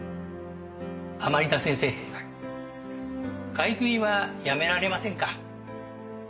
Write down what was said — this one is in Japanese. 買い食いはやめられませんか？